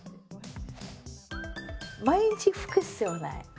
毎日拭く必要ない。